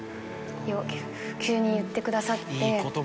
急に言ってくださって。